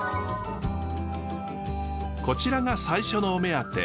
こちらが最初のお目当て。